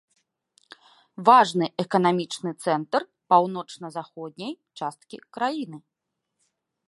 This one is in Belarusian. Важны эканамічны цэнтр паўночна-заходняй часткі краіны.